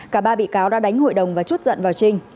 cả ba bị cáo đã đánh hội đồng và chốt giận vào trinh